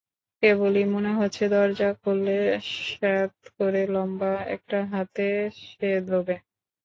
কেবলই মনে হচ্ছে, দরজা খুললে স্যাঁৎ করে লম্বা একটা হাত সেঁধোবে।